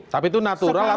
tapi itu natural atau